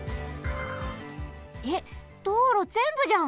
えっどうろぜんぶじゃん！